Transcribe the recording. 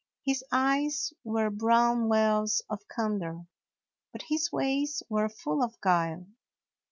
His eyes were brown wells of candor, but his ways were full of guile.